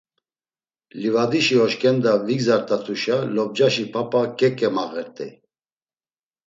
Livadişi oşǩenda vigzart̆atuşa lobcaşi p̌ap̌a keǩemağert̆ey.